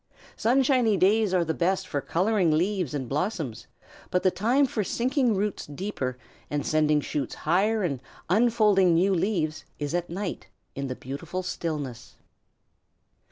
Sunshiny days are the best for coloring leaves and blossoms, but the time for sinking roots deeper and sending shoots higher and unfolding new leaves is at night in the beautiful stillness.